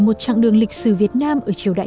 một chặng đường lịch sử việt nam ở triều đại